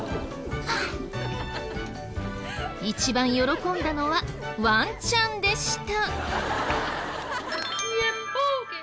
一番喜んだのはワンちゃんでした。